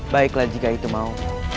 baiklah jika itu mau